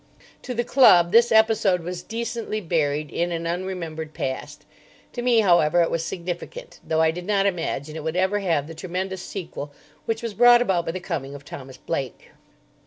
To the club this episode was decently buried in an unremembered past. To me, however, it was significant, though I did not imagine it would ever have the tremendous sequel which was brought about by the coming of Thomas Blake.